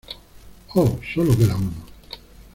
¡ Oh! Sólo queda uno.